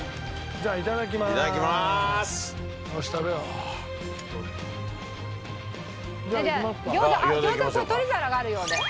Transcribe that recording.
じゃあ餃子餃子取り皿があるようで。